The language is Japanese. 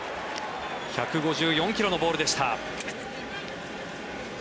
１５４ｋｍのボールでした。